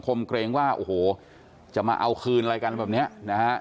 มเกรงว่าโอ้โหจะมาเอาคืนอะไรกันแบบเนี้ยนะฮะ